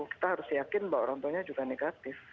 kita harus yakin bahwa orang tuanya juga negatif